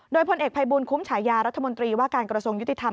โดยพลเอกภัยบูลคุ้มฉายารัฐมนตรีว่าการกระทรวงยุติธรรม